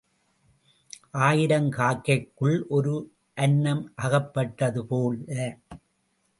ஆயிரம் காக்கைக்குள் ஓர் அன்னம் அகப்பட்டது போல.